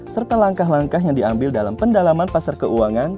serta langkah langkah yang diambil dalam pendalaman pasar keuangan